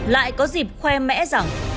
lại có dịp khoe mẽ rằng